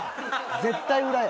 絶対裏や。